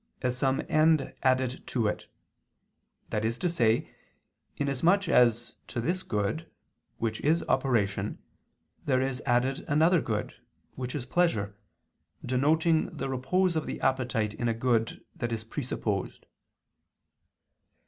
. as some end added to it": that is to say, inasmuch as to this good, which is operation, there is added another good, which is pleasure, denoting the repose of the appetite in a good that is presupposed.